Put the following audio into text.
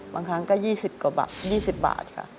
บางครั้งก็๒๐กว่าบาท๒๐บาทค่ะ